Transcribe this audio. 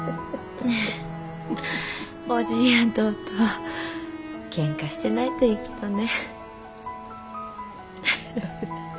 おじぃやんとおとうけんかしてないといいけどね。